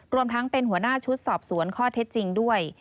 รวมทั้งเป็นหัวหน้าชุดสอบสวนข้อเท็จจริงด้วย